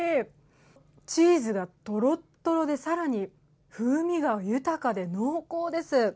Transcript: チーズがとろっとろでさらに風味が豊かで濃厚です。